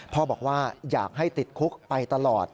พ่อบอกว่าอยากให้ติดคุกไปตลอด